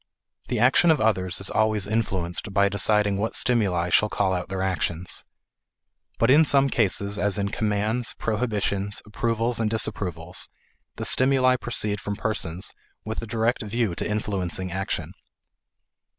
The action of others is always influenced by deciding what stimuli shall call out their actions. But in some cases as in commands, prohibitions, approvals, and disapprovals, the stimuli proceed from persons with a direct view to influencing action.